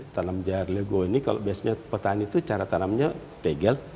tanam jahat lego ini kalau biasanya petani itu cara tanamnya tegel